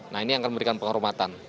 nah ini yang akan memberikan penghormatan